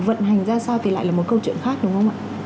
vận hành ra sao thì lại là một câu chuyện khác đúng không ạ